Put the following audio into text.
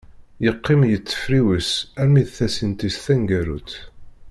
Yeqqim yettefriwis armi d tasint-is taneggarut.